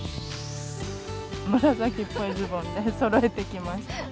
紫っぽいズボンでそろえてきました。